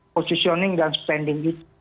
positioning dan standing itu